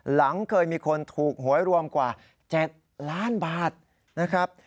หลังเคยมีคนถูกหวยรวมกว่า๗ล้านบาทนะครับ